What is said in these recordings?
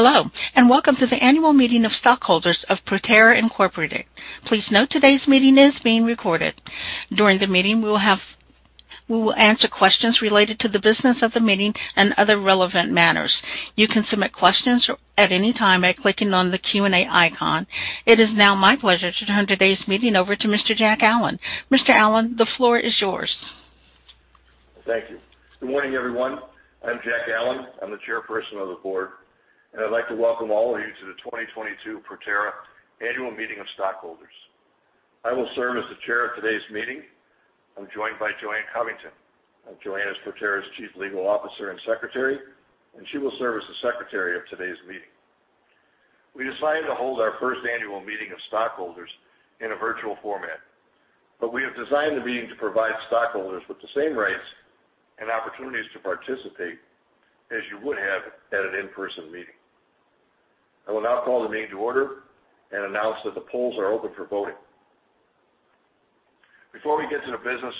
Hello, and welcome to the annual meeting of stockholders of Proterra Inc. Please note today's meeting is being recorded. During the meeting, we will answer questions related to the business of the meeting and other relevant matters. You can submit questions at any time by clicking on the Q&A icon. It is now my pleasure to turn today's meeting over to Mr. Jack Allen. Mr. Allen, the floor is yours. Thank you. Good morning, everyone. I'm Jack Allen. I'm the Chairperson of the Board, and I'd like to welcome all of you to the 2022 Proterra Annual Meeting of Stockholders. I will serve as the chair of today's meeting. I'm joined by JoAnn Covington. JoAnn is Proterra's Chief Legal Officer and Secretary, and she will serve as the Secretary of today's meeting. We decided to hold our first annual meeting of stockholders in a virtual format, but we have designed the meeting to provide stockholders with the same rights and opportunities to participate as you would have at an in-person meeting. I will now call the meeting to order and announce that the polls are open for voting. Before we get to the business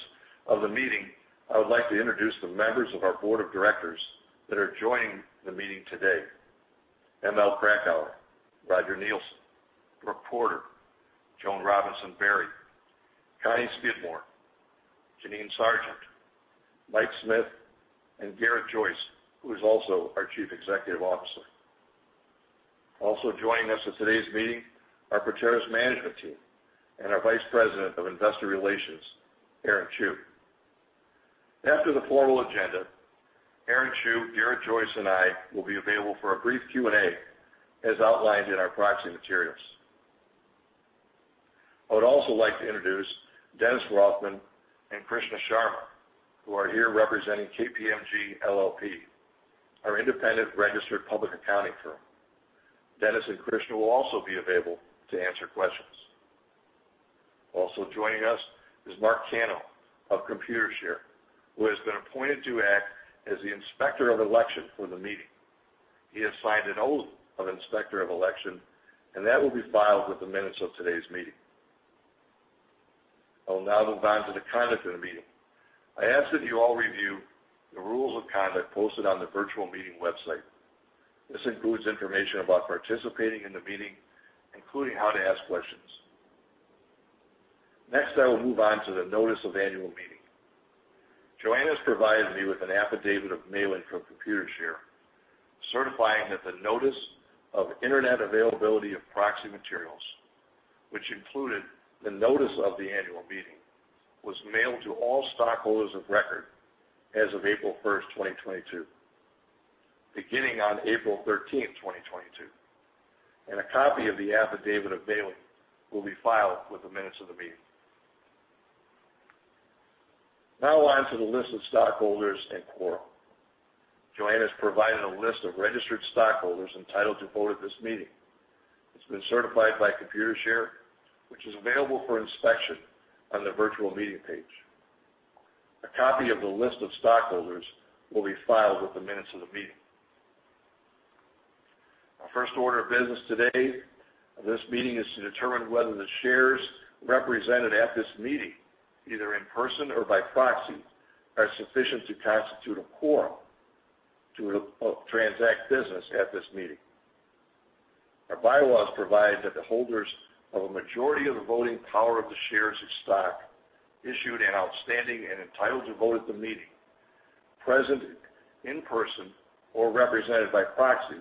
of the meeting, I would like to introduce the members of our board of directors that are joining the meeting today. ML Krakauer, Roger Nielsen, Brooke Porter, Joan Robinson-Berry, Connie Skidmore, Jeannine Sargent, Mike Smith, and Gareth Joyce, who is also our Chief Executive Officer. Also joining us in today's meeting are Proterra's management team and our Vice President of Investor Relations, Aaron Chew. After the formal agenda, Aaron Chew, Gareth Joyce, and I will be available for a brief Q&A as outlined in our proxy materials. I would also like to introduce Dennis Rothman and Krishna Sharma, who are here representing KPMG LLP, our independent registered public accounting firm. Dennis and Krishna will also be available to answer questions. Also joining us is Mark Cano of Computershare, who has been appointed to act as the Inspector of Election for the meeting. He has signed an oath of Inspector of Election, and that will be filed with the minutes of today's meeting. I will now move on to the conduct of the meeting. I ask that you all review the rules of conduct posted on the virtual meeting website. This includes information about participating in the meeting, including how to ask questions. Next, I will move on to the notice of annual meeting. JoAnn has provided me with an affidavit of mailing from Computershare, certifying that the notice of Internet availability of proxy materials, which included the notice of the annual meeting, was mailed to all stockholders of record as of April 1, 2022, beginning on April 13, 2022. A copy of the affidavit of mailing will be filed with the minutes of the meeting. Now on to the list of stockholders and quorum. JoAnn has provided a list of registered stockholders entitled to vote at this meeting. It's been certified by Computershare, which is available for inspection on the virtual meeting page. A copy of the list of stockholders will be filed with the minutes of the meeting. Our first order of business today of this meeting is to determine whether the shares represented at this meeting, either in person or by proxy, are sufficient to constitute a quorum to transact business at this meeting. Our bylaws provide that the holders of a majority of the voting power of the shares of stock issued and outstanding and entitled to vote at the meeting, present in person or represented by proxy,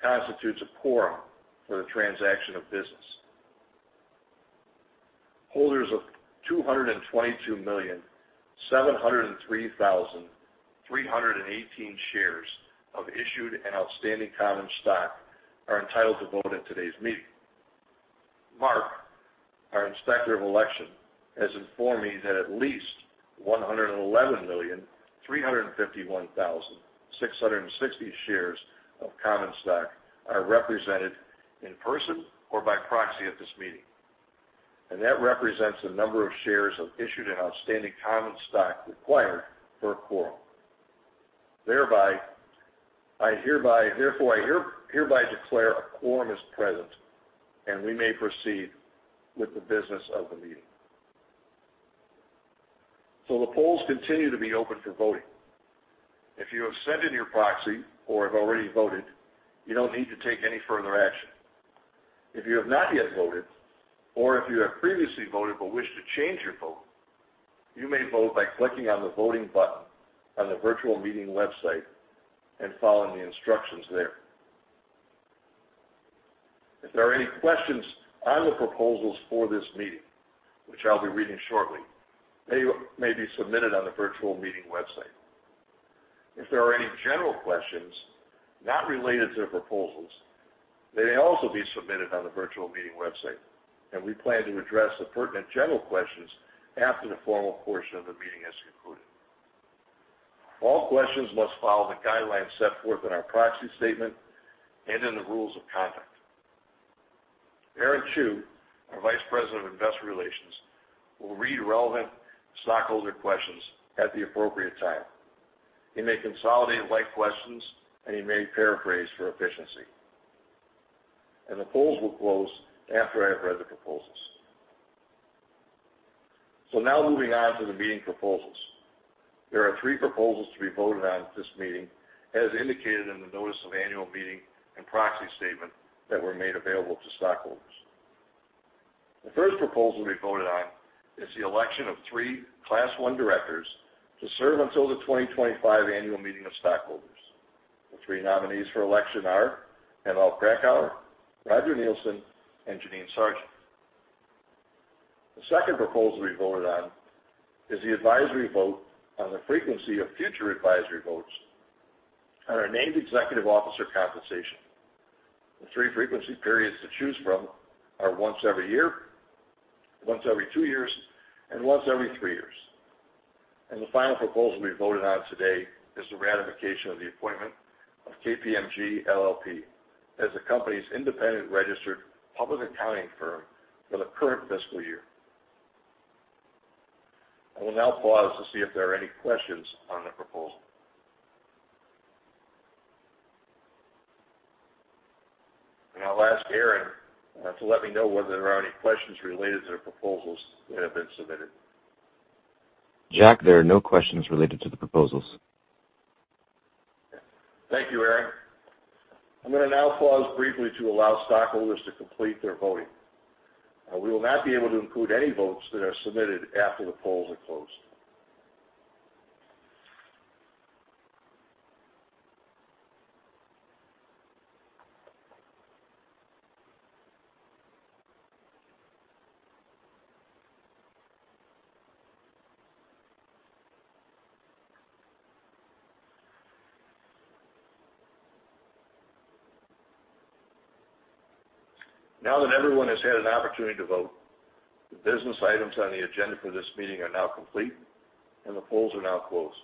constitutes a quorum for the transaction of business. Holders of 222,703,318 shares of issued and outstanding common stock are entitled to vote at today's meeting. Mark Cano, our Inspector of Election, has informed me that at least 111,351,660 shares of common stock are represented in person or by proxy at this meeting. That represents the number of shares of issued and outstanding common stock required for a quorum. Therefore, I hereby declare a quorum is present, and we may proceed with the business of the meeting. The polls continue to be open for voting. If you have sent in your proxy or have already voted, you don't need to take any further action. If you have not yet voted or if you have previously voted but wish to change your vote, you may vote by clicking on the Voting button on the virtual meeting website and following the instructions there. If there are any questions on the proposals for this meeting, which I'll be reading shortly, they may be submitted on the virtual meeting website. If there are any general questions not related to the proposals, they may also be submitted on the virtual meeting website, and we plan to address the pertinent general questions after the formal portion of the meeting has concluded. All questions must follow the guidelines set forth in our proxy statement and in the rules of conduct. Aaron Chew, our Vice President of Investor Relations, will read relevant stockholder questions at the appropriate time. He may consolidate like questions, and he may paraphrase for efficiency. The polls will close after I have read the proposals. Now moving on to the meeting proposals. There are three proposals to be voted on at this meeting, as indicated in the notice of annual meeting and proxy statement that were made available to stockholders. The first proposal to be voted on is the election of three Class One directors to serve until the 2025 annual meeting of stockholders. The three nominees for election are ML Krakauer, Roger Nielsen, and Janine Sargeant. The second proposal to be voted on is the advisory vote on the frequency of future advisory votes on our named executive officer compensation. The three frequency periods to choose from are once every year, once every two years, and once every three years. The final proposal to be voted on today is the ratification of the appointment of KPMG LLP as the company's independent registered public accounting firm for the current fiscal year. I will now pause to see if there are any questions on the proposal. I'll ask Aaron Chew to let me know whether there are any questions related to the proposals that have been submitted. Jack Allen, there are no questions related to the proposals. Thank you, Aaron Chew. I'm gonna now pause briefly to allow stockholders to complete their voting. We will not be able to include any votes that are submitted after the polls are closed. Now that everyone has had an opportunity to vote, the business items on the agenda for this meeting are now complete, and the polls are now closed.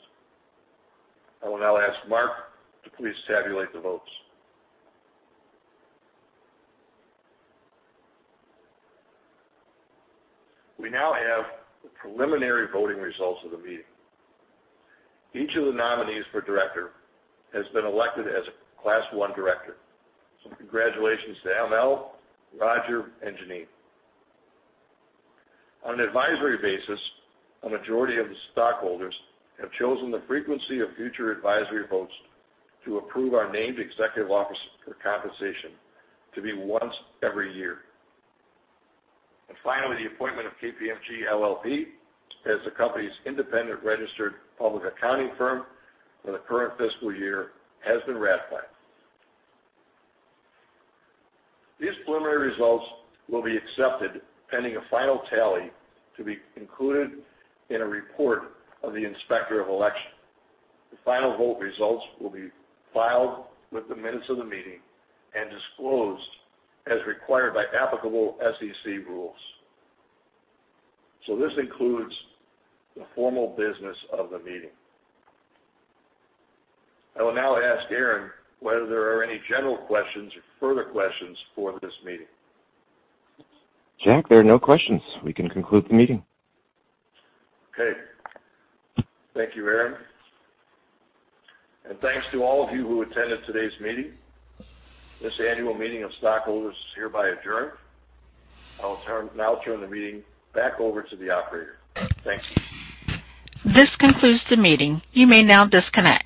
I will now ask Mark Cano to please tabulate the votes. We now have the preliminary voting results of the meeting. Each of the nominees for director has been elected as a Class One director. Congratulations to ML Krakauer, Roger Nielsen, and Janine Sargeant. On an advisory basis, a majority of the stockholders have chosen the frequency of future advisory votes to approve our named executive officer compensation to be once every year. Finally, the appointment of KPMG LLP as the company's independent registered public accounting firm for the current fiscal year has been ratified. These preliminary results will be accepted pending a final tally to be included in a report of the inspector of election. The final vote results will be filed with the minutes of the meeting and disclosed as required by applicable SEC rules. This concludes the formal business of the meeting. I will now ask Aaron whether there are any general questions or further questions for this meeting. Jack, there are no questions. We can conclude the meeting. Okay. Thank you, Aaron. Thanks to all of you who attended today's meeting. This annual meeting of stockholders is hereby adjourned. I will now turn the meeting back over to the operator. Thank you. This concludes the meeting. You may now disconnect.